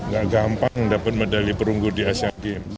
gak gampang mendapat medali perunggul di asean games